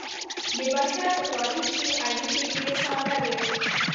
د بشر په تاریخ کې اړیکې ډیرې ساده وې.